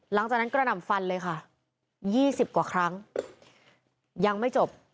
หลังจากนั้นกระหน่ำฟันเลยค่ะยี่สิบกว่าครั้งยังไม่จบ